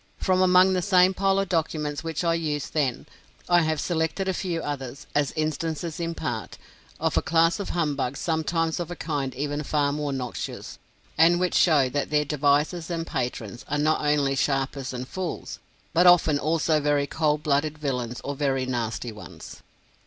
From among the same pile of documents which I used then, I have selected a few others, as instances in part, of a class of humbugs sometimes of a kind even far more noxious, and which show that their devisers and patrons are not only sharpers or fools, but often also very cold blooded villains or very nasty ones.